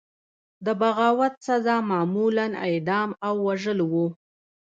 د بغاوت سزا معمولا اعدام او وژل وو.